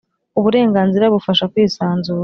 Uburenganzira bufasha kwisanzura.